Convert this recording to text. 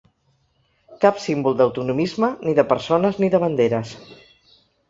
Cap símbol d’autonomisme, ni de persones ni de banderes.